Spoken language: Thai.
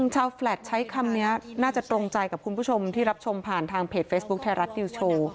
แฟลตใช้คำนี้น่าจะตรงใจกับคุณผู้ชมที่รับชมผ่านทางเพจเฟซบุ๊คไทยรัฐนิวโชว์